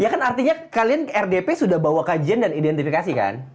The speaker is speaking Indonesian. ya kan artinya kalian rdp sudah bawa kajian dan identifikasi kan